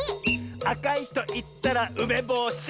「あかいといったらうめぼし！」